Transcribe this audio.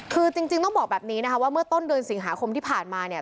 คือจริงต้องบอกแบบนี้นะคะว่าเมื่อต้นเดือนสิงหาคมที่ผ่านมาเนี่ย